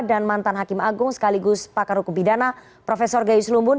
dan mantan hakim agung sekaligus pakar hukum pidana profesor gayus lumbun